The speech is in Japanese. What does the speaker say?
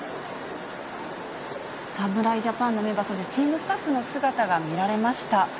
侍ジャパンのメンバー、そしてチームスタッフの姿が見られました。